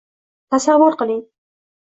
Tasavvur qiling.